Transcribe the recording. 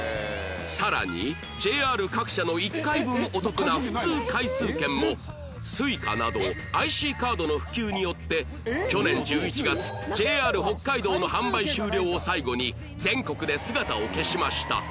さらに ＪＲ 各社の１回分お得な普通回数券も Ｓｕｉｃａ など ＩＣ カードの普及によって去年１１月 ＪＲ 北海道の販売終了を最後に全国で姿を消しました